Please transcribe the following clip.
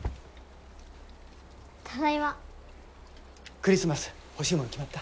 クリスマス欲しいもの決まった？